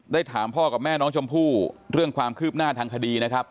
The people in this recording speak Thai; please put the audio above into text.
ถามพ่อกับแม่น้องชมพู่เรื่องความคืบหน้าทางคดีนะครับ